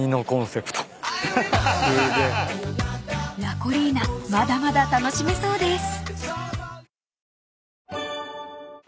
［ラコリーナまだまだ楽しめそうです］